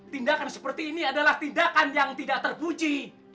tindakan seperti ini adalah tindakan yang tidak terpuji